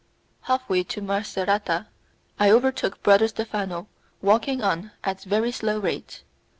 Halfway to Macerata, I overtook Brother Stephano walking on at a very slow rate.